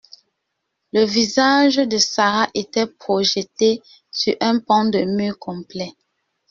Le visage de Sara était projeté sur un pan de mur complet.